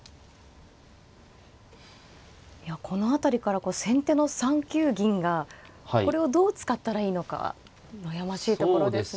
この辺りから先手の３九銀がこれをどう使ったらいいのか悩ましいところですね。